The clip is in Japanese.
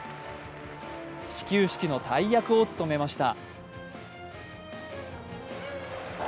始球式の大役を務めました。